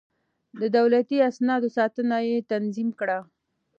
د دولتي اسنادو ساتنه يې تنظيم کړه.